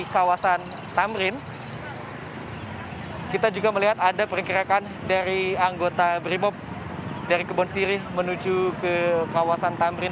kawasan tamrin kita juga melihat ada perkirakan dari anggota brimob dari kebon sirih menuju ke kawasan tamrin